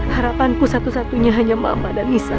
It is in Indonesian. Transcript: harapanku satu satunya hanya mama dan nisa